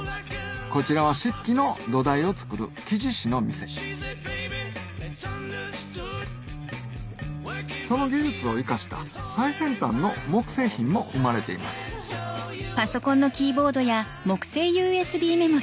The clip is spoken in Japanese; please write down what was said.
こちらは漆器の土台を作る木地師の店その技術を生かした最先端の木製品も生まれていますジャガイモや。